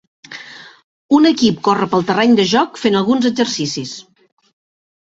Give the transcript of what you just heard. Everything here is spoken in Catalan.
Un equip corre pel terreny de joc fent alguns exercicis.